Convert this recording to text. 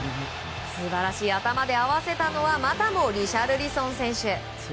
頭で合わせたのはまたもリシャルリソン選手。